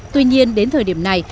tuy nhiên đến thời điểm này